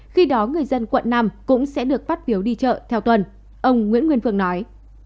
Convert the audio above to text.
khi đó người dân quận năm cũng sẽ được phát phiếu đi chợ theo tuần ông nguyễn nguyên phương nói